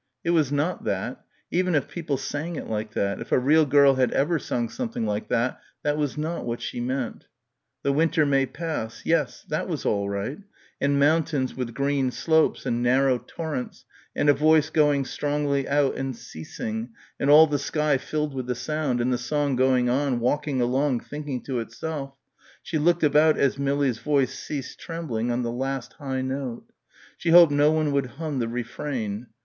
It was not that; even if people sang it like that, if a real girl had ever sung something like that, that was not what she meant ... "the winter may pass" ... yes, that was all right and mountains with green slopes and narrow torrents and a voice going strongly out and ceasing, and all the sky filled with the sound and the song going on, walking along, thinking to itself.... She looked about as Millie's voice ceased trembling on the last high note. She hoped no one would hum the refrain.